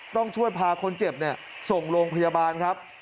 ต้องช่วยพาคนเจ็บส่งโรงพยาบาลครับ